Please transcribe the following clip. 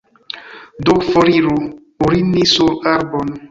Do foriru urini sur arbon!